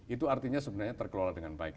itu artinya sebenarnya terkelola dengan baik